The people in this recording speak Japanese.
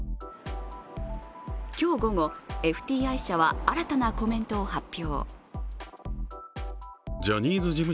今日午後、ＦＴＩ社は新たなコメントを発表。